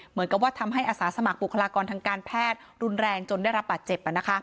เหมือนกับว่าทำให้อาสาสมัครบุคลากรทางการแพทย์รุนแรงจนได้รับบาดเจ็บ